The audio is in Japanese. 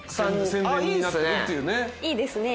いいですね。